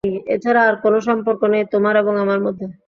এছাড়া আর কোন সম্পর্ক নেই তোমার এবং আমার মধ্যে।